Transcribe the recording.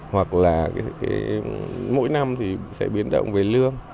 hoặc là mỗi năm thì sẽ biến động về lương